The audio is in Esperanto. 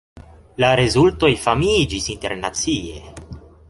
La rezultoj famiĝis internacie.